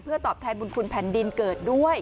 ตอบแทนบุญคุณแผ่นดินเกิดด้วย